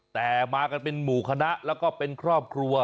แต่มากันเป็นหมู่คณะแล้วก็เป็นครอบครัว